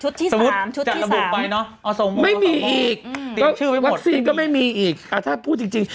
ชุดที่สามชุดที่สามไม่มีอีกก็วัคซีนก็ไม่มีอีกอ่ะถ้าพูดจริงจริง